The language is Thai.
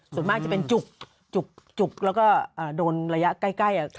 ส่วนมากจะเป็นจุกแล้วก็โดนระยะใกล้